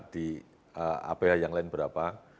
di aph yang lain berapa